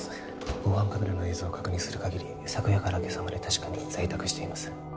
防犯カメラの映像を確認する限り昨夜から今朝まで確かに在宅しています